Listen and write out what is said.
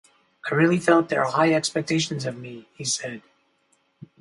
"I really felt their high expectations of me", he said.